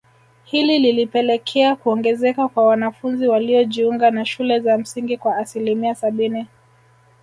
Hili lilipelekea kuongezeka kwa wanafunzi waliojiunga na shule za msingi kwa asilimia sabini